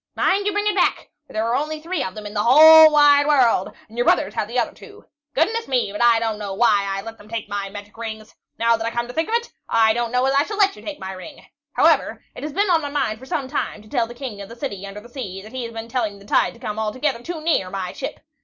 Mind you bring it back, for there are only three of them in the whole wide world, and your brothers have the other two. Goodness me, but I don't know why I let them take my magic rings. Now that I come to think of it, I don't know as I shall let you take my ring. However, it has been on my mind for some time to tell the King of the City under the Sea that he's been telling the tide to come altogether too near my ship.